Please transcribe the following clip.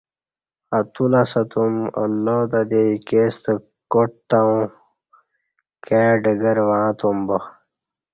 اتولسہ تم اللہ تہ دےایکےستہ کاٹ تہ اوں کئ ڈگرہ وعں تم با